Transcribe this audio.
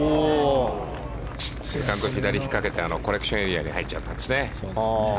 セカンドを左に引っ掛けてコレクションエリアに入っちゃったんですね。